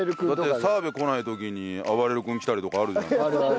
だって澤部来ない時にあばれる君来たりとかあるじゃん。